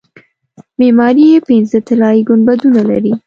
معماري یې پنځه طلایي ګنبدونه لري.